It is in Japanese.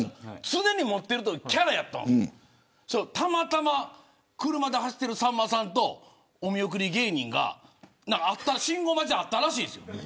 常に持っているキャラやとたまたま車で走ってるさんまさんとお見送り芸人が信号待ちで会ったらしいんです。